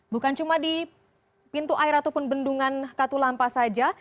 bukan cuma di pintu air ataupun bendungan katulampa saja